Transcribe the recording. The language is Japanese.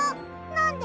なんで！？